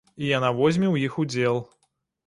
І яна возьме ў іх удзел.